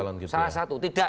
salah satu salah satu tidak